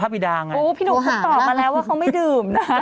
พี่ดาไงโอ้พี่หนุ่มเขาตอบมาแล้วว่าเขาไม่ดื่มนะ